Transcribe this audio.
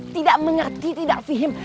tidak mengerti tidak fiham